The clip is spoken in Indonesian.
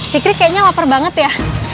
fikri kayaknya lapar banget ya